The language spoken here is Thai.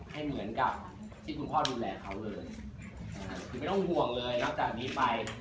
ให้เหมือนกับที่คุณพ่อดูแลเขาเลยคือไม่ต้องห่วงเลยนับจากนี้ไป